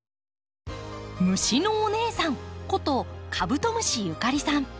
虫のお姉さんことカブトムシゆかりさん。